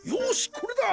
これだ！